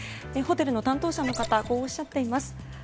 ホテルの担当者の方こうおっしゃっています。